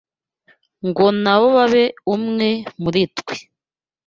ngo na bo babe umwe muri twe